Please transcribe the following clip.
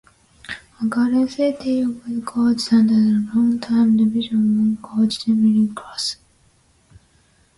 At Garden City Lutz coached under longtime Division one coach Jeremy Cox.